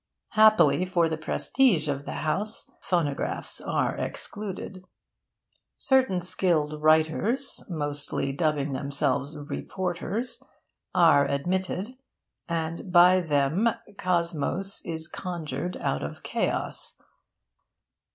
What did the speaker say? Happily for the prestige of the House, phonographs are excluded. Certain skilled writers modestly dubbing themselves 'reporters' are admitted, and by them cosmos is conjured out of chaos.